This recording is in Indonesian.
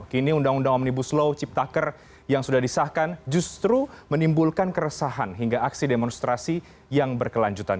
kini undang undang omnibus law ciptaker yang sudah disahkan justru menimbulkan keresahan hingga aksi demonstrasi yang berkelanjutan